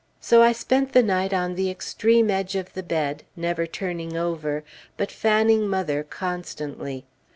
So I spent the night on the extreme edge of the bed, never turning over, but fanning mother constantly.